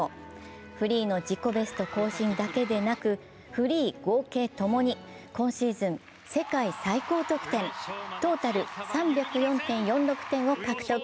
フリーの自己ベスト更新だけでなくフリー・合計共に今シーズン世界最高得点、トータル３０４．４６点を獲得。